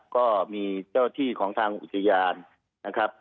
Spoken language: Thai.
ก็มีเจ้าที่ของทางอุทยานนะครับ